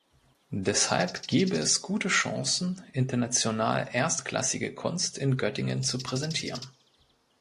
Deshalb gebe es gute Chancen, international erstklassige Kunst in Göttingen zu präsentierten.